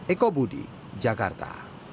eko budi jakarta